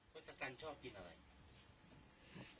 โทสกันชอบกินอะไร